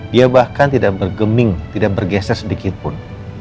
dia bahkan tidak bergeming tidak bergeser sedikitpun